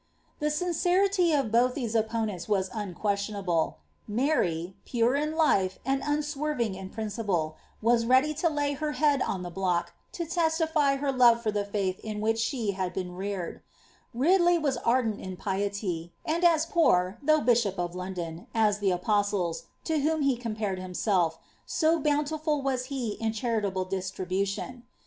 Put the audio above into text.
The sinceriiy of both these opponenu was unquestionable. Maryi pore in life, and unswervinj; in principle, was ready to lay her head oB liie block, lo lesiify her love for the faith in which she had been reared, Kidley was ardent in pieiy, and as poor (ihongh bishop of London) Btf ' ilie apostles, lo whom he compared himself — ao bonniiful was he in chnrilable distribution.